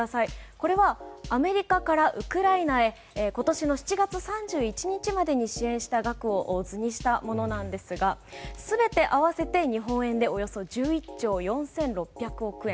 これはアメリカからウクライナへ今年の７月３１日までに支援した額を図にしたものなんですが全て合わせて日本円でおよそ１１兆４６００億円。